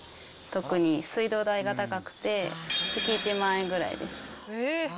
特に水道代が高くて、月１万円ぐらいです。